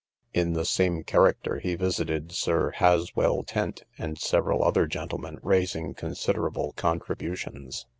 In the same character he visited Sir Haswell Tent, and several other gentlemen, raising considerable contributions.